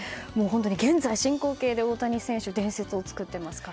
現在進行形で大谷選手は伝説を作っていますから。